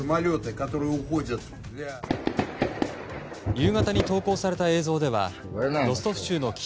夕方に投稿された映像ではロストフ州の北